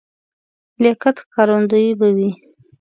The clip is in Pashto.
لیاقت ښکارندوی به وي.